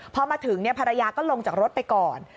พอมาถึงภรรยาก็ลงจากรถไปก่อน